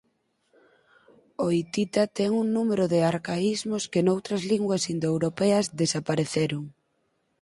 O hitita ten un número de arcaísmos que noutras linguas indoeuropeas desapareceron.